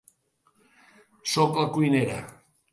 Soc la cuinera.